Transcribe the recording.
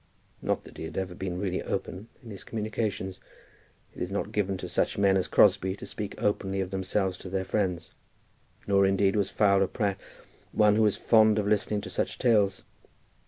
Not that he had ever been really open in his communications. It is not given to such men as Crosbie to speak openly of themselves to their friends. Nor, indeed, was Fowler Pratt one who was fond of listening to such tales.